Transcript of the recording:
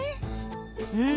うん。